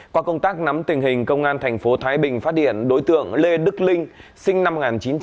qua công tác nắm tình hình công an tp thái bình phát điện đối tượng lê đức linh sinh năm một nghìn chín trăm chín mươi hai